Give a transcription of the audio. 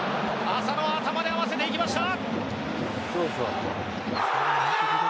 浅野、頭で合わせていきました！